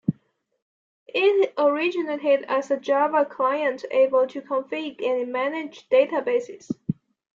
It originated as a Java client able to configure and manage databases.